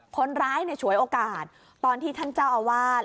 คนร้ายฉวยโอกาสตอนที่ท่านเจ้าอาวาส